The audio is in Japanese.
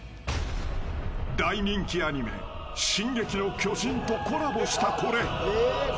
大人気アニメ「進撃の巨人」とコラボしたこれ。